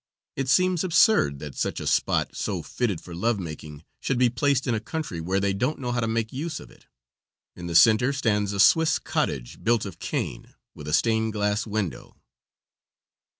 It seems absurd that such a spot, so fitted for love making, should be placed in a country where they don't know how to make use of it. In the center stands a Swiss cottage built of cane, with a stained glass window.